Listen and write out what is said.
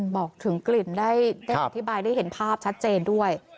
บอกถึงกลิ่นได้อธิบายได้เห็นภาพชัดเจนด้วย